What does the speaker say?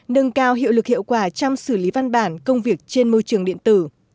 nâng cao hiệu lực hiệu quả trong xử lý văn bản công việc trên môi trường điện tử